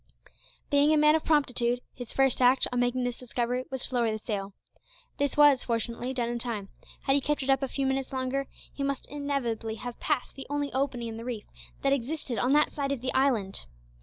Being a man of promptitude, his first act, on making this discovery, was to lower the sail. This was, fortunately, done in time; had he kept it up a few minutes longer, he must inevitably have passed the only opening in the reef that existed on that side of the island.